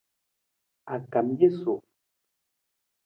A kam jesu.